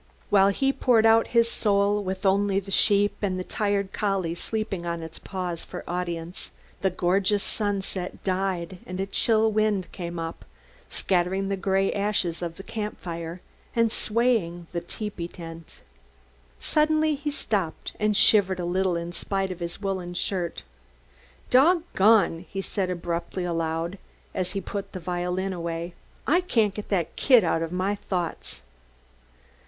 While he poured out his soul with only the sheep and the tired collie sleeping on its paws for audience, the gorgeous sunset died and a chill wind came up, scattering the gray ashes of the camp fire and swaying the tepee tent. Suddenly he stopped and shivered a little in spite of his woolen shirt. "Dog gone!" he said abruptly, aloud, as he put the violin away, "I can't get that kid out of my thoughts!"